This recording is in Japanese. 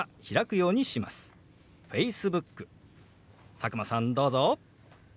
佐久間さんどうぞ。